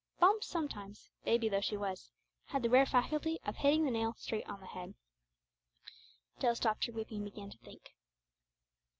Bumps sometimes baby though she was had the rare faculty of hitting the nail straight on the head. Jill stopped her weeping and began to think.